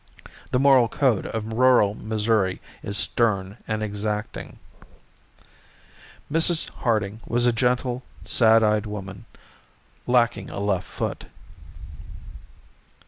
The moral code of rural Missouri is stern and exacting. Mrs. Harding was a gentle, sad eyed woman, lacking a left foot.